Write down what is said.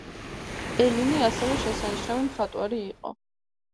ელინი ასევე შესანიშნავი მხატვარი იყო.